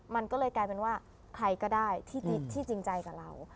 มันก็เลยกลายเป็นว่าใครก็ได้ที่จริงใจกับเรา